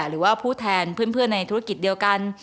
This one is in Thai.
หรือว่าผู้แทนเพื่อนในธุรกิจเดียวกัน